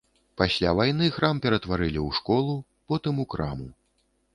Пасля вайны храм ператварылі ў школу, потым у краму.